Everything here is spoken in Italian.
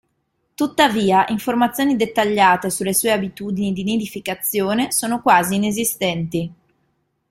Tuttavia, informazioni dettagliate sulle sue abitudini di nidificazione sono quasi inesistenti.